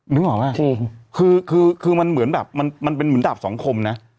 นึกออกหรือเปล่าคือมันเหมือนแบบมันเป็นเหมือนดาบสองคมนะ